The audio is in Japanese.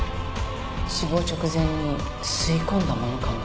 死亡直前に吸い込んだものかも。